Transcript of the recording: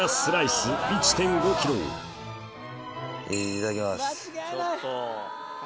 いただきます。